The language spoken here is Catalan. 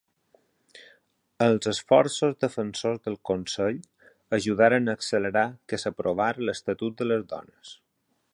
Els esforços defensors del consell ajudaren a accelerar que s'aprovara l'Estatut de les Dones.